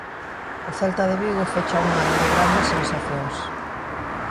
O Celta de Vigo fecha un ano de grandes sensacións.